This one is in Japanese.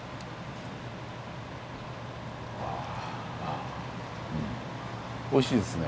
あうんおいしいですね。